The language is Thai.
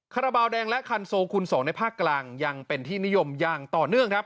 คาราบาลแดงและคันโซคูณ๒ในภาคกลางยังเป็นที่นิยมอย่างต่อเนื่องครับ